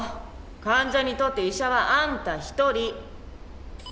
患者にとって医者はあんた一人！